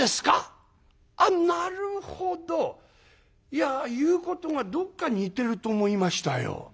いや言うことがどっか似てると思いましたよ。